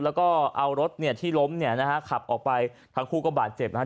แล้วก็เอารถที่ล้มขับออกไปทั้งคู่ก็บาดเจ็บนะฮะ